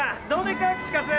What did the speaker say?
どうでっか？